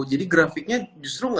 jadi grafiknya justru gak akan bisa